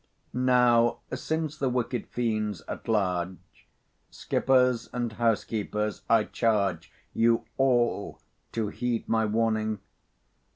Now, since the wicked fiend's at large, Skippers, and housekeepers, I charge You all to heed my warning.